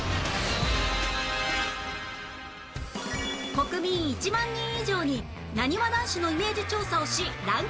国民１万人以上になにわ男子のイメージ調査をしランキング化！